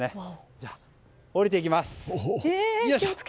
じゃあ、下りていきます。